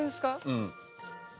うん。